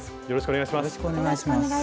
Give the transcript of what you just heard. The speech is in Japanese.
よろしくお願いします。